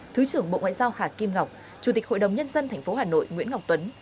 thứ trưởng bộ ngoại giao hà kim ngọc chủ tịch hội đồng nhân dân tp hà nội nguyễn ngọc tuấn